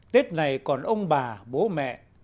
tết này còn ông bà bố mẹ